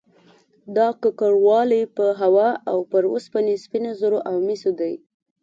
دا ککړوالی په هوا او پر اوسپنې، سپینو زرو او مسو دی